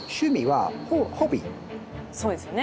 そうですよね。